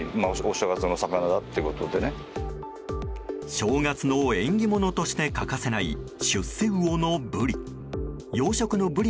正月の縁起物として欠かせない出世魚のブリ。